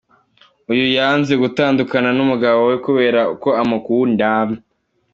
Uyu yanze gutandukana n’umugabo we kubera ko amukunda.